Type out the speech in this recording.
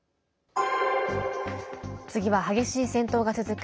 次は激しい戦闘が続く